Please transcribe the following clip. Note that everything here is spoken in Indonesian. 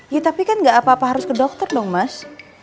ya tapi kan gak apa apa harus ke dokter dong mas